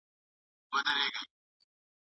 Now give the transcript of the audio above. د پوهې پراختیا د فردي رفتار د ښه کولو سبب کیږي.